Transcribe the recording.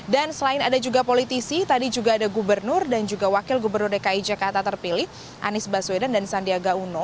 dan selain ada juga politisi tadi juga ada gubernur dan juga wakil gubernur dki jakarta terpilih anies baswedan dan sandiaga uno